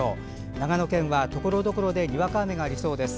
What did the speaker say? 長野県はところどころでにわか雨がありそうです。